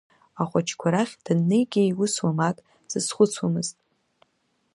Ахәыҷқәа рахь даннеигьы, иус уамак дзазхәыцуамызт.